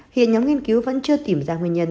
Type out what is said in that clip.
hiện nhóm nghiên cứu vẫn chưa tìm ra nguyên nhân